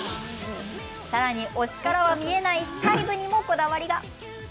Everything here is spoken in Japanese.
さらに、推しからは見えない細部にも、こだわりが。